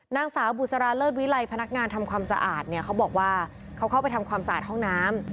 นางสาวบุษราเลิศวิลัยพนักงานทำความสะอาดเนี่ยเขาบอกว่าเขาเข้าไปทำความสะอาดห้องน้ำ